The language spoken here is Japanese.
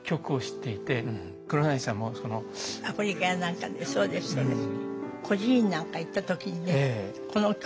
アフリカなんかでそうですそうです。